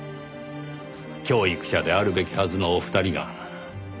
教育者であるべきはずのお二人が。